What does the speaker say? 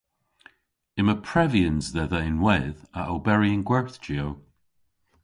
Yma prevyans dhedha ynwedh a oberi yn gwerthjiow.